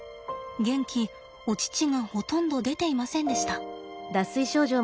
ゲンキお乳がほとんど出ていませんでした。